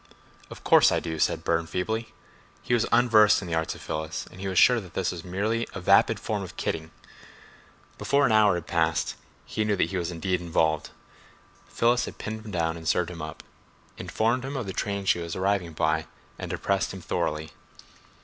"Of course I do," said Burne feebly. He was unversed in the arts of Phyllis, and was sure that this was merely a vapid form of kidding. Before an hour had passed he knew that he was indeed involved. Phyllis had pinned him down and served him up, informed him the train she was arriving by, and depressed him thoroughly.